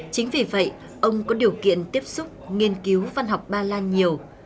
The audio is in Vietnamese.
chính vì vậy ông có điều kiện tiếp xúc nghiên cứu văn học ba lan nhiều